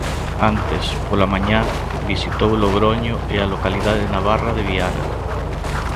Antes, pola mañá, visitou Logroño e a localidade navarra de Viana.